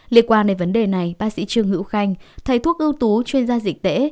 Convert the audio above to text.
liên quan đến vấn đề này bác sĩ trương hữu khanh thầy thuốc ưu tú chuyên gia dịch tễ